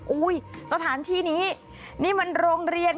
อุ้ยสถานที่นี้นี่มันโรงเรียน